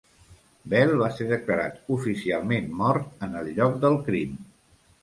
Bell va ser declarat oficialment mort en el lloc del crim.